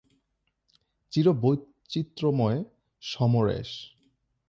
চির বৈচিত্র্যময় সমরেশ